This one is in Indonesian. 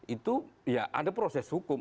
itu ya ada proses hukum